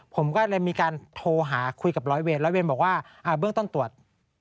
ผมก็เลยมีการโทรหาคุยกับร้อยเวรร้อยเวรบอกว่าเบื้องต้นตรวจ